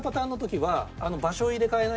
はい。